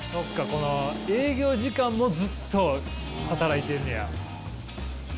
この営業時間もずっと働いてんねや。